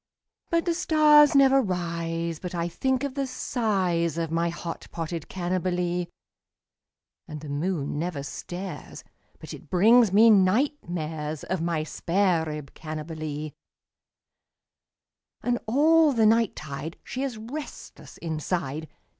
But the stars never rise but I think of the size Of my hot potted Cannibalee, And the moon never stares but it brings me night mares Of my spare rib Cannibalee; And all the night tide she is restless inside.